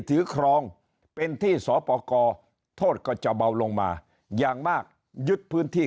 ถือครองเป็นที่สปกรโทษก็จะเบาลงมาอย่างมากยึดพื้นที่